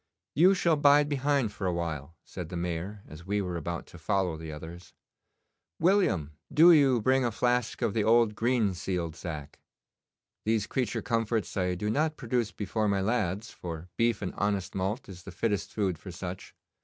'You shall bide behind for a while,' said the Mayor, as we were about to follow the others. 'William, do you bring a flask of the old green sealed sack. These creature comforts I do not produce before my lads, for beef and honest malt is the fittest food for such.